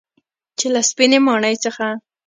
چې له سپینې ماڼۍ څخه